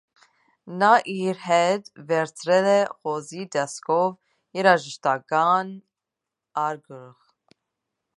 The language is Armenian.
Նա իր հետ վերցրել է խոզի տեսքով երաժշտական արկղ։